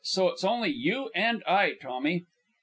So it's only you and I, Tommy."